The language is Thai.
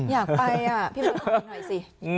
อยากไปอ่ะพี่มันขอให้หน่อยสิ